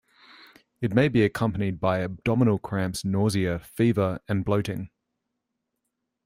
It may be accompanied by abdominal cramps, nausea, fever, and bloating.